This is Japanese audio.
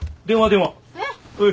はい。